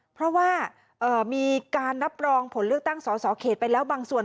เพราะว่ามีการรับรองผลเลือกตั้งสอสอเขตไปแล้วบางส่วน